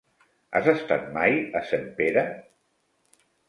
Has estat mai a Sempere?